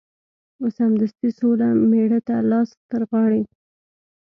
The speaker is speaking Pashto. سمدستي سوله مېړه ته لاس ترغاړه